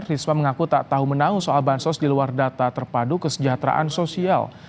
risma mengaku tak tahu menau soal bansos di luar data terpadu kesejahteraan sosial